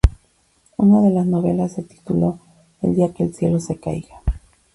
Una de novelas se tituló "El día que el cielo se caiga".